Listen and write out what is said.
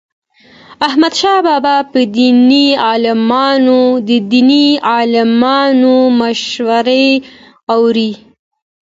احمدشاه بابا به د دیني عالمانو مشورې اوريدي.